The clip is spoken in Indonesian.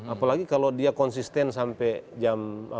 apalagi kalau dia konsisten sampai jam